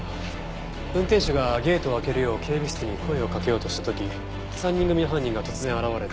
運転手がゲートを開けるよう警備室に声をかけようとした時３人組の犯人が突然現れて。